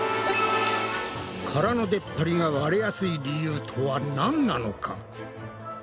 殻のでっぱりが割れやすい理由とはなんなのか？